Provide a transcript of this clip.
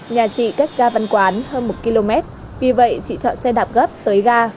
nhà chị cách ga văn quán hơn một km vì vậy chị chọn xe đạp gấp tới ga